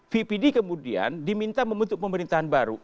vpd kemudian diminta membentuk pemerintahan baru